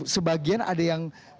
sebagian ada yang